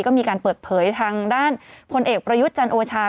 ก็มีการเปิดเผยทางด้านพลเอกประยุทธ์จันโอชา